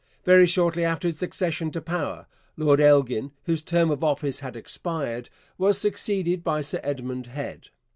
Very shortly after its accession to power, Lord Elgin, whose term of office had expired, was succeeded by Sir Edmund Head.